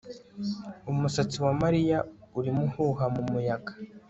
Umusatsi wa Mariya urimo uhuha mumuyaga